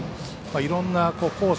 いろんなコース